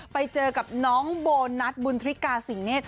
ไปเจอกับน้องโบนัสบุญทริกาสิงเนธ